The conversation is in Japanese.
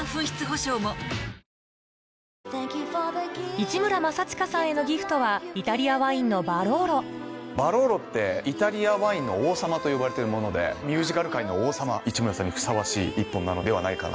市村正親さんへのギフトはイタリアワインのバローロバローロってイタリアワインの王様と呼ばれているものでミュージカル界の王様市村さんにふさわしい一本なのではないかなと。